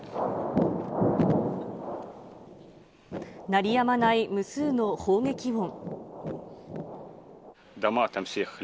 鳴りやまない無数の砲撃音。